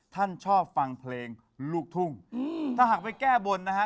ท่านชอบฟังเพลงลูกทุ่งอืมถ้าหากไปแก้บนนะฮะ